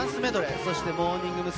そしてモーニング娘。